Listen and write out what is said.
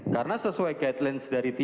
karena sesuai guidelines dari tiaf tadi